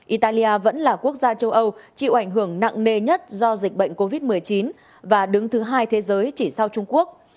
italia vẫn là quốc gia châu âu chịu ảnh hưởng nặng nề nhất do dịch bệnh covid một mươi chín và đứng thứ hai thế giới chỉ sau trung quốc